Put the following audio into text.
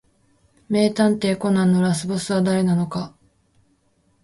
名探偵コナンのラスボスは誰なのか